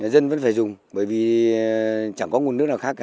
dân vẫn phải dùng bởi vì chẳng có nguồn nước nào khác cả